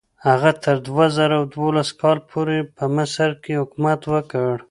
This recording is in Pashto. هغه تر دوه زره دولس کال پورې پر مصر حکومت وکړ.